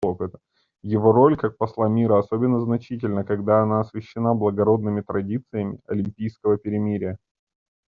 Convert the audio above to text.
Его роль как посла мира особенно значительна, когда она освящена благородными традициями «олимпийского перемирия».